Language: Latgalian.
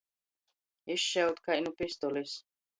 Izšaut kai nu pistolis.